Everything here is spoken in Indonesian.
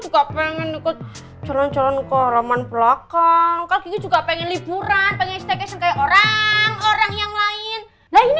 juga pengen ikut calon calon ke rumah belakang juga pengen liburan orang orang yang lain lain